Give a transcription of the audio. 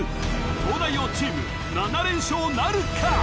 東大王チーム７連勝なるか？